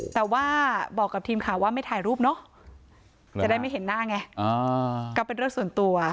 แต่ว่าบอกกับทีมข่าวว่าไม่ถ่ายรูปเนอะจะได้ไม่เห็นหน้าไงก็เป็นเรื่องส่วนตัว